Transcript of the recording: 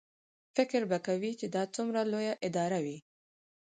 فکر به کوې چې دا څومره لویه اداره وي.